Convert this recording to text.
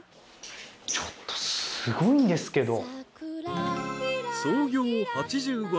ちょっとすごいんですけど。